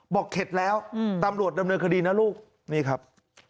เข็ดแล้วตำรวจดำเนินคดีนะลูกนี่ครับ